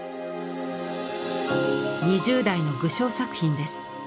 ２０代の具象作品です。